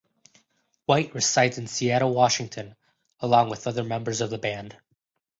White resides in Seattle, Washington along with other members of the band.